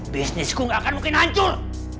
bisnisku gak akan mungkin hancur